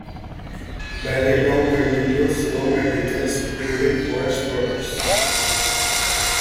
Balindong contributes raw materials including forest products.